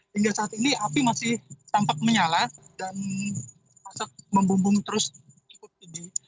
hingga saat ini api masih tampak menyala dan pasak membumbung terus ikut tidik